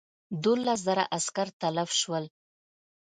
دوولس زره عسکر تلف شول.